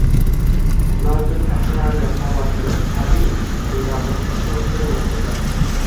Mavjud achinarli holatimiz tabiiy, bundan boshqasi mumkin emas edi